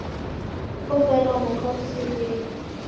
Kovalwa mwaka ghusirie